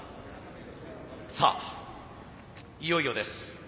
さあいよいよです。